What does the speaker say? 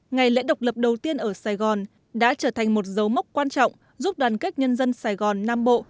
ngày lễ độc lập đầu tiên ở sài gòn đã trở thành một dấu mốc quan trọng giúp đoàn kết nhân dân sài gòn nam bộ